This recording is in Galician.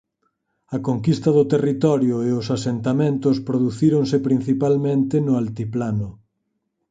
A conquista do territorio e os asentamentos producíronse principalmente no altiplano.